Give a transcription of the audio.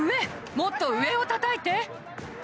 もっと上をたたいて！